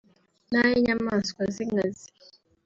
n’ay’inyamaswa z’inkazi